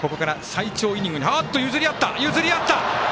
譲り合った！